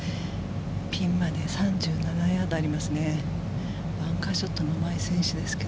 ピンまで３７ヤードありますね。